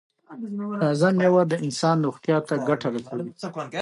تازه میوه د انسان روغتیا ته ګټه رسوي.